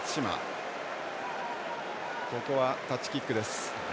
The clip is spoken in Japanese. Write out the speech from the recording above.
ここはタッチキックです。